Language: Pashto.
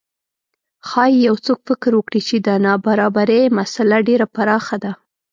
ښايي یو څوک فکر وکړي چې د نابرابرۍ مسئله ډېره پراخه ده.